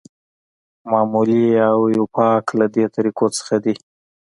معمولي او ایوپاک له دې طریقو څخه دي.